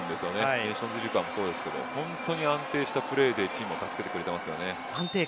ネーションズリーグでもそうですけど本当に安定したプレーでチームを助けてくれてますよね。